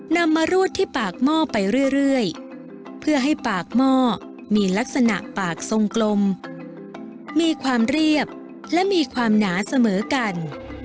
นำมารูดที่ปากหม้อไปเรื่อยเพื่อให้ปากหม้อมีลักษณะปากทรงกลมมีความเรียบและมีความหนาเสมอกัน